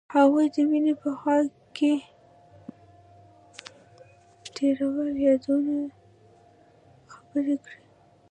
هغوی د مینه په خوا کې تیرو یادونو خبرې کړې.